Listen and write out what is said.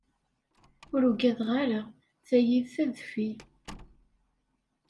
Ur ugadeɣ ara! Tayi d tadfi!